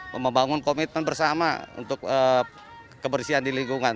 membangun komitmen bersama untuk kebersihan di lingkungan